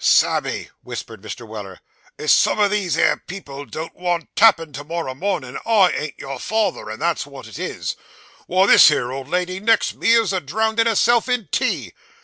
'Sammy,' whispered Mr. Weller, 'if some o' these here people don't want tappin' to morrow mornin', I ain't your father, and that's wot it is. Why, this here old lady next me is a drowndin' herself in tea.